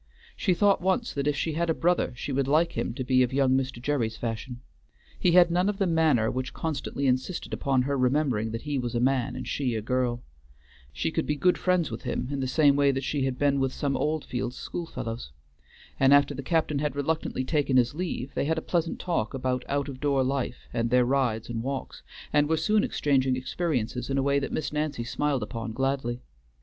She thought once that if she had a brother she would like him to be of young Mr. Gerry's fashion. He had none of the manner which constantly insisted upon her remembering that he was a man and she a girl; she could be good friends with him in the same way that she had been with some Oldfields schoolfellows, and after the captain had reluctantly taken his leave, they had a pleasant talk about out of door life and their rides and walks, and were soon exchanging experiences in a way that Miss Nancy smiled upon gladly.